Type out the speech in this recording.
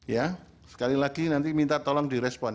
ya sekali lagi nanti minta tolong direspon